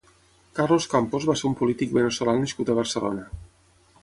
Carlos Campos va ser un polític veneçolà nascut a Barcelona.